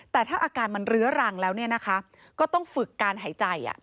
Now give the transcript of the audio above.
แต่ถ้าอาการมันเรื้อรังแล้วก็ต้องฝึกการหายใจ